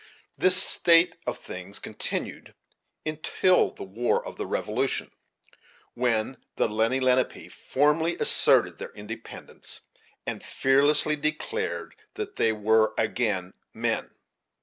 This state of things continued until the war of the Revolution. When the Lenni Lenape formally asserted their independence, and fearlessly declared that they were again men.